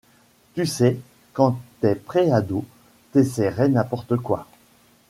Tu sais, quand t’es préado, t’essaierais n’importe quoi.